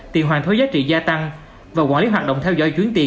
tiền hoàn thuế giá trị gia tăng và quản lý hoạt động theo dõi chuyến tiền